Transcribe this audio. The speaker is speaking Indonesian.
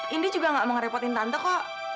indi juga gak mau ngerepotin tante kok